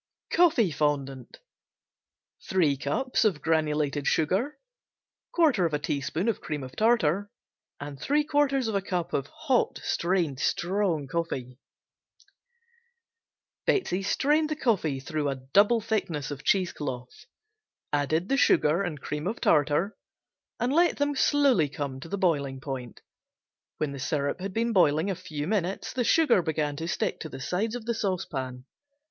Coffee Fondant Sugar (granulated), 3 cups Cream of tartar, 1/4 teaspoon Strong coffee (hot and strained), 3/4 cup Betsey strained the coffee through a double thickness of cheesecloth, added the sugar and cream of tartar and let them slowly come to the boiling point; when the syrup had been boiling a few minutes the sugar began to stick to the sides of the saucepan.